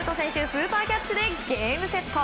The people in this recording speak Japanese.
スーパーキャッチでゲームセット。